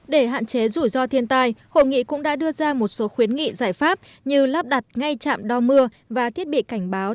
để hạn chế rủi ro thiên tai hội nghị cũng đã đưa ra một số khuyến nghị giải pháp như lắp đặt ngay trạm đo mưa và thiết bị cảnh báo